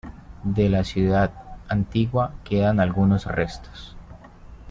De la ciudad antigua quedan algunos restos.